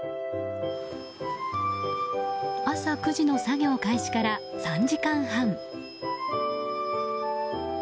朝９時の作業開始から３時間半。